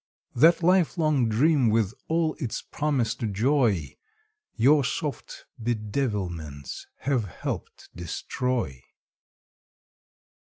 That lifelong dream with all its promised joy Your soft bedevilments have helped destroy.